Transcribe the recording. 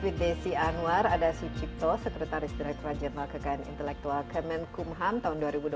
kembali bersama insati desi anwar ada sucipto sekretaris direktur ajenma kkn intelektual kemenkumham tahun dua ribu dua puluh tiga